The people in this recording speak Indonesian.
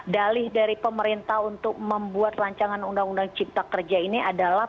dalih dari pemerintah untuk membuat rancangan undang undang cipta kerja ini adalah